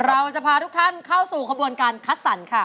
เราจะพาทุกท่านเข้าสู่ขบวนการคัดสรรค่ะ